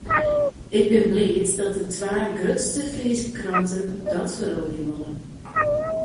Ik bin bliid dat de twa grutste Fryske kranten dat feroarje wolle.